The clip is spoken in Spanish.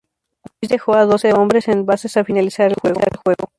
Louis dejó a doce hombres en las bases al finalizar el juego.